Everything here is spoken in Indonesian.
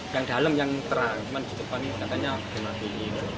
yang dalam yang terang cuman di depan katanya dimatiin